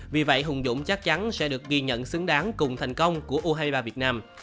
vì vậy hùng dũng chắc chắn sẽ được ghi nhận xứng đáng cùng thành công của u hai mươi ba việt nam